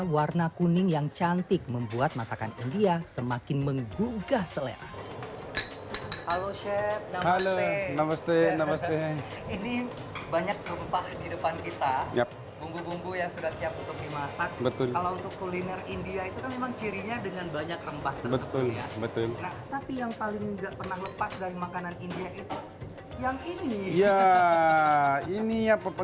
warna kuning yang cantik membuat masakan india semakin menggugah selera